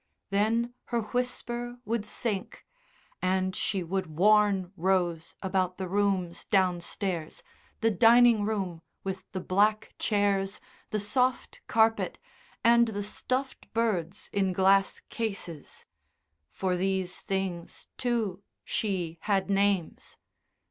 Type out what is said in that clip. Then her whisper would sink, and she would warn Rose about the rooms downstairs, the dining room with the black chairs, the soft carpet, and the stuffed birds in glass cases for these things, too, she had names.